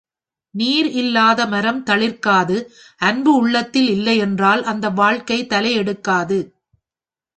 நீர் இல்லாத மரம் தளிர்க்காது அன்பு உள்ளத்தில் இல்லை என்றால் அந்த வாழ்க்கை தலை எடுக்காது.